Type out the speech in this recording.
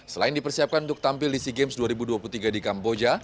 selain dipersiapkan untuk tampil di sea games dua ribu dua puluh tiga di kamboja